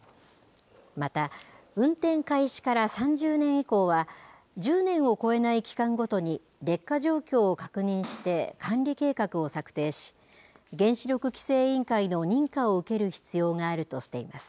また、運転開始から３０年以降は、１０年を超えない期間ごとに劣化状況を確認して管理計画を策定し、原子力規制委員会の認可を受ける必要があるとしています。